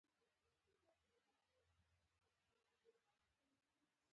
شاید فسیلونه او ډبرین توکي نور معلومات ورکړي.